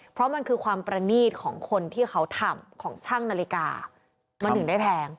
เพราะมันคือความประนีตของคนที่เขาทำของช่างนาฬิกามันถึงได้แพง